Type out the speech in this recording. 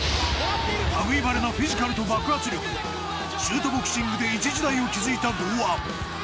たぐいまれなフィジカルと爆発力でシュートボクシングで一時代を築いた豪腕。